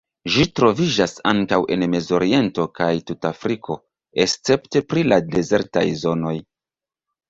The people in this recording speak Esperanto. Ĝi troviĝas ankaŭ en Mezoriento kaj tuta Afriko, escepte pri la dezertaj zonoj.